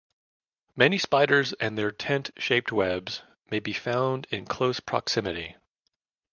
Many spiders and their tent shaped webs may be found in close proximity.